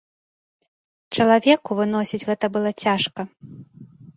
Чалавеку выносіць гэта было цяжка.